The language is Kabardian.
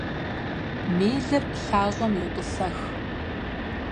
Мелыр лъащӀэм йотӀысэх.